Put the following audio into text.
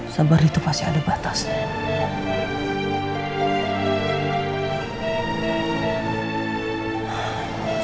sabar itu pasti ada batasnya